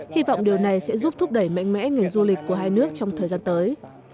hy vọng điều này sẽ giúp thúc đẩy mạnh mẽ ngành du lịch của hai nước trong thời gian tới